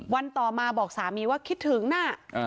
วันต่อมาบอกสามีว่าคิดถึงน่ะ